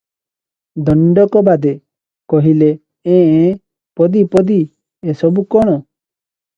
ଦଣ୍ଡକ ବାଦେ କହିଲେ-ଏଁ -ଏଁ -ପଦୀ! ପଦୀ! ଏ ସବୁ କଣ?